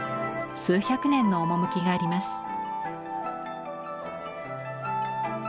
数百年の趣があります。